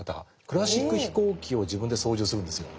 クラシック飛行機を自分で操縦するんですよ。